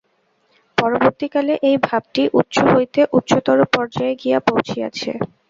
পরবর্তীকালে এই ভাবটি উচ্চ হইতে উচ্চতর পর্যায়ে গিয়া পৌঁছিয়াছে।